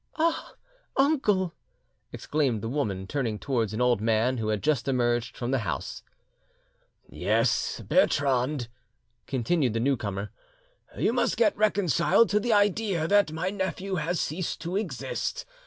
"Ah! uncle!" exclaimed the woman, turning towards an old man who had just emerged from the house. "Yes, Bertrande," continued the new comer, "you must get reconciled to the idea that my nephew has ceased to exist.